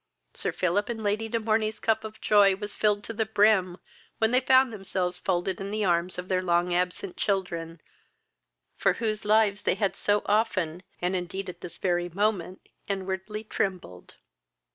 Sir Philip and Lady de Morney's cup of joy was filled to the brim, when they found themselves folded in the arms of their long absent children, for whole lives they had so often, and indeed at this very moment inwardly trembled.